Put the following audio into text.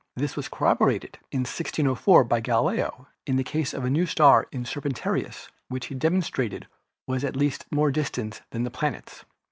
This was corroborated in 1604 by Galileo in the case of the new star in Serpen tarius, which he demonstrated was at least more distant than the planets.